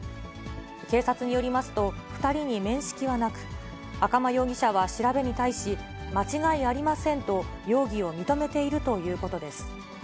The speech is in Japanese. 警察によりますと、２人に面識はなく、赤間容疑者は調べに対し、間違いありませんと容疑を認めているということです。